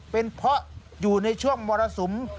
เป็นเพราะอยู่ในช่วงมรสุม